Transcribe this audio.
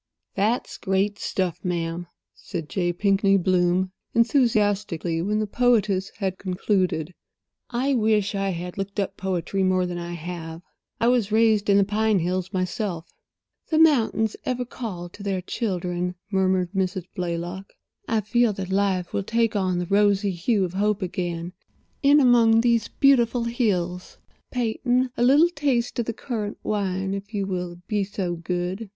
"That's great stuff, ma'am," said J. Pinkney Bloom, enthusiastically, when the poetess had concluded. "I wish I had looked up poetry more than I have. I was raised in the pine hills myself." "The mountains ever call to their children," murmured Mrs. Blaylock. "I feel that life will take on the rosy hue of hope again in among these beautiful hills. Peyton—a little taste of the currant wine, if you will be so good.